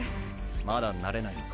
まだ慣れないのか？